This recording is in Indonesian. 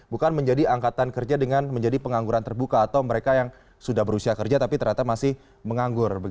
bukan menjadi angkatan kerja dengan menjadi pengangguran terbuka atau mereka yang sudah berusia kerja tapi ternyata masih menganggur